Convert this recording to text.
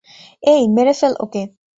এই, মেরে ফেল ওকে!